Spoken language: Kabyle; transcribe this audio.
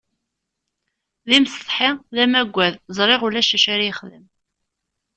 D imsetḥi, d amaggad, ẓriɣ ulac acu ara yi-ixdem.